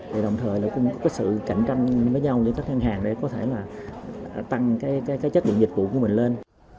và đồng thời cũng có sự cạnh tranh với nhau để các ngân hàng có thể tăng chất lượng dịch vụ của mình lên